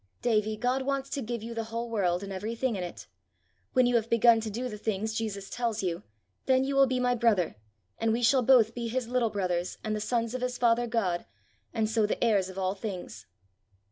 Davie, God wants to give you the whole world, and everything in it. When you have begun to do the things Jesus tells you, then you will be my brother, and we shall both be his little brothers, and the sons of his Father God, and so the heirs of all things."